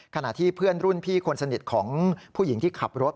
ขณะที่เพื่อนรุ่นพี่คนสนิทของผู้หญิงที่ขับรถ